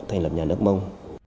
thành lập nhà nước mông